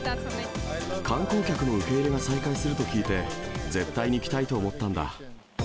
観光客の受け入れが再開すると聞いて、絶対に来たいと思ったんだ。